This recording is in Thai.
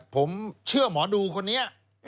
ผมเชื่อหมอดูคนนี้